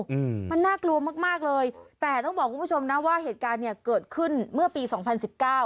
อืมมันน่ากลัวมากมากเลยแต่ต้องบอกคุณผู้ชมนะว่าเหตุการณ์เนี้ยเกิดขึ้นเมื่อปีสองพันสิบเก้า